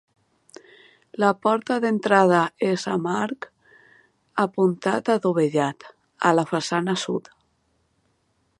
La porta d'entrada és amb arc apuntat adovellat, a la façana sud.